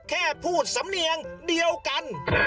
แค่พูดสำเนียงเดียวกัน